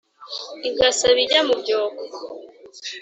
igasaba ijya mu byoko